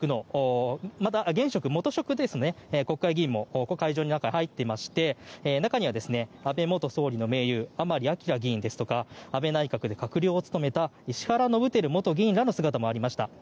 元職の国会議員も会場の中に入っていまして中には安倍元総理の盟友甘利明議員ですとか安倍内閣で閣僚を務めた石原伸晃元議員らの姿もありました。